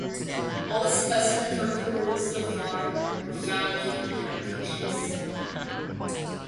All the specimens recorded so far were found in human habitations.